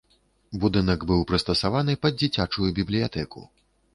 Будынак быў прыстасаваны пад дзіцячую бібліятэку.